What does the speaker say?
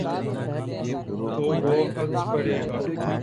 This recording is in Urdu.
تو وہ ہنس پڑے گا۔